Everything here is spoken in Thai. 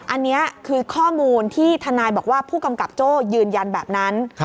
อันนี้คือข้อมูลที่ทนายบอกว่าผู้กำกับโจ้ยืนยันแบบนั้น